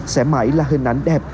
sẽ mãi là hình ảnh đẹp